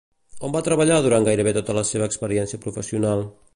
On va treballar durant gairebé tota la seva experiència professional?